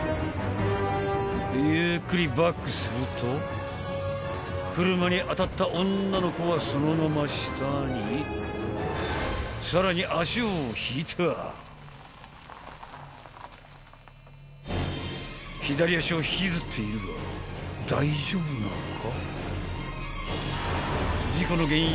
ゆっくりバックすると車に当たった女の子はそのまま下にさらに左足を引きずっているが大丈夫なのか？